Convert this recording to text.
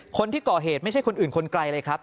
คนที่ก่อเหตุไม่ใช่คนอื่นคนไกลเลยครับ